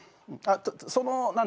その何だ？